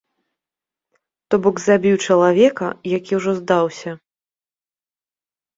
То бок, забіў чалавека, які ўжо здаўся.